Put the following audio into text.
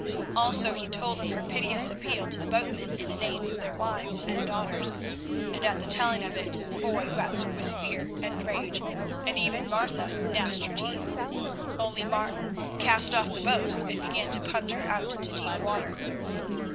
Also he told of her piteous appeal to the boatmen in the names of their wives and daughters, and at the telling of it Foy wept with fear and rage, and even Martha gnashed her teeth. Only Martin cast off the boat and began to punt her out into deep water.